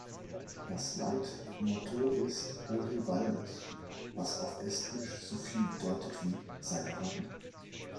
Das Leitmotto ist „Ole Valmis“, was auf Estnisch so viel bedeutet wie „Sei bereit“.